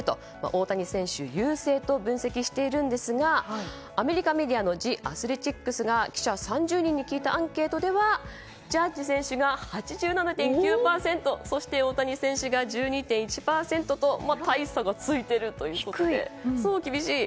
大谷選手が優勢と分析しているんですがアメリカメディアのジ・アスレチックが記者３０人に聞いたアンケートではジャッジ選手が８７．９％そして大谷選手が１２．１％と大差がついているということで厳しい。